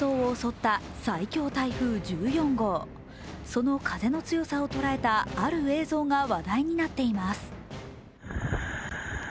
その風の強さを捉えたある映像が話題になっています。